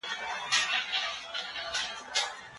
شاه شجاع د شکارپور په اړه خبري کوي.